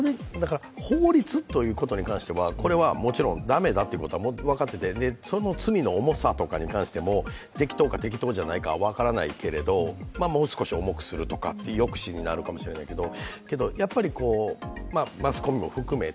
法律ということに関しては、もちろん駄目だということは分かっていて、その罪の重さとかに関しても適当か、適当じゃないかは分からないけれどももう少し重くするとか、抑止になるかもしれないけど。